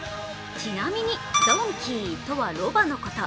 ちなみに、ドンキーとはロバのこと。